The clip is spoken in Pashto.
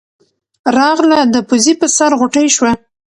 راغله د پوزې پۀ سر غوټۍ شوه